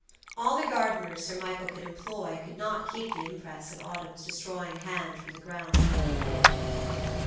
All the gardeners Sir Michael could employ could not keep the impress of autumn's destroying hand from the grounds about the Court.